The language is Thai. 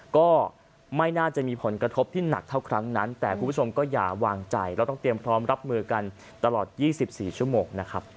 ก็ไม่น่าจะมีผลกระทบที่หนักเท่าครั้งนั้นแต่คุณผู้ชมก็อย่าวางใจเราต้องเตรียมพร้อมรับมือกันตลอด๒๔ชั่วโมงนะครับ